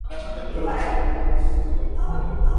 Si no hay porno, la herramienta no funciona.